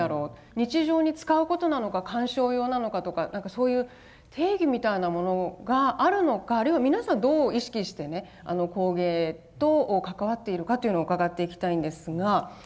日常に使うことなのか鑑賞用なのかとか何かそういう定義みたいなものがあるのかあるいは皆さんどう意識してね工芸と関わっているかというのを伺っていきたいんですが。